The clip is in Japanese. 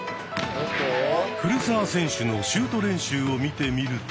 古澤選手のシュート練習を見てみると。